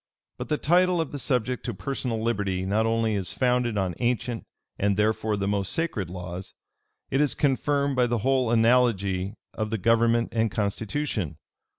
But the title of the subject to personal liberty not only is founded on ancient, and, therefore, the most sacred laws; it is confirmed by the whole analogy of the government and constitution.